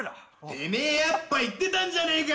・てめえやっぱ言ってたんじゃねえか！